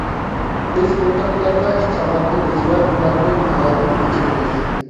بىز بۇنداقلارغا ئىچ ئاغرىتىمىز ۋە ئۇلارنىڭ ھالىدىن ئېچىنىمىز.